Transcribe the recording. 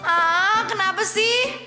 ah kenapa sih